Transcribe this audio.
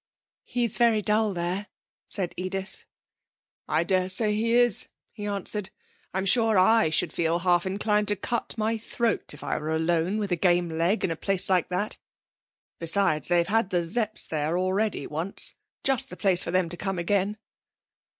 'He's very dull there,' said Edith. 'I dare say he is,' he answered. 'I'm sure I should feel half inclined to cut my throat if I were alone, with a game leg, at a place like that. Besides, they've had the Zepps there already once. Just the place for them to come again.'